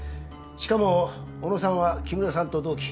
しかも小野さんは木村さんと同期。